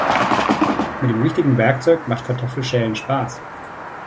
Mit dem richtigen Werkzeug macht Kartoffeln schälen Spaß.